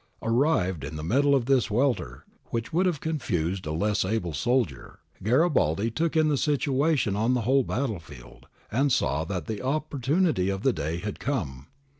Arrived in the middle of this welter, which would have confused a less able soldier. Garibaldi took in the situation on the whole battlefield, and saw that the op portunity of the day had come.